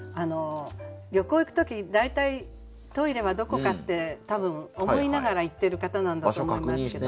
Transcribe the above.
旅行行く時に大体トイレはどこかって多分思いながら行ってる方なんだと思いますけど。